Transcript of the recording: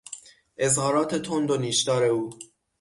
اظهارات تند و نیشدار او